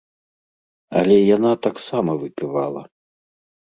Але яна таксама выпівала.